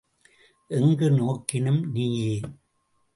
எங்கு நோக்கினும் நீயே!